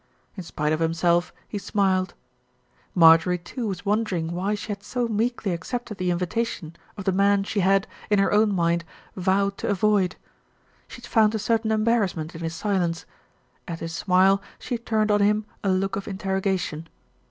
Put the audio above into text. In spite of himself he smiled. Marjorie too was wondering why she had so meekly accepted the invitation of the man she had, in her own mind, vowed to avoid. She'd found a certain em barrassment in his silence. At his smile she turned on him a look of interrogation.